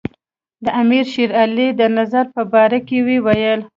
د امیر شېر علي د نظر په باره کې وویل.